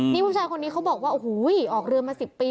นี่ผู้ชายคนนี้เขาบอกว่าโอ้โหออกเรือมา๑๐ปี